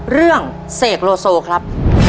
เรื่องเสกโลโซครับ